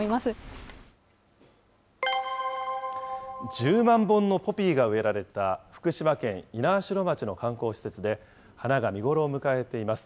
１０万本のポピーが植えられた福島県猪苗代町の観光施設で、花が見頃を迎えています。